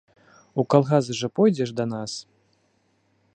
У калгас жа пойдзеш да нас?